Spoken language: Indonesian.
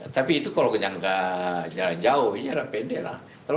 tapi itu kalau jalan jauh jalan pendek lah